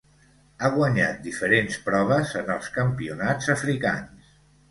Ha guanyat diferents proves en els Campionats africans.